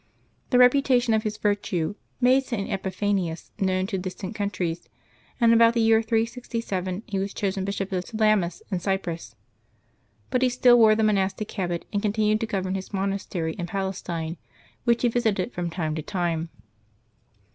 The reputation of his virtue made St. Epiphanius known to distant countries, and about the year 367 he was chosen Bishop of Salamis in Cyprus. But he still wore the mo nastic habit, and continued to govern his monastery in Palestine, which he visited from time to time.